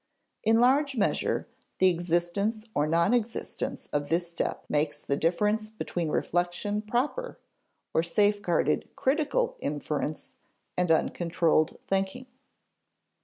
In large measure, the existence or non existence of this step makes the difference between reflection proper, or safeguarded critical inference and uncontrolled thinking.